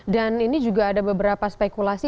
dan ini juga ada beberapa spekulasi